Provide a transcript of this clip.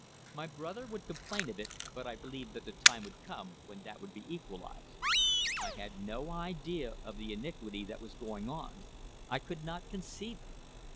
My brother would complain of it, but I believed that the time would come when that wcluld be equalised. I had no idea of the iniquity that was going on; I could not conceive it.